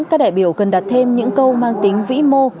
các đại biểu cần đặt thêm những câu mang tính vĩ mô